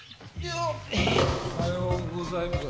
おはようございます。